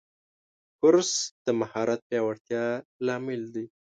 کورس د مهارت پیاوړتیا لامل دی.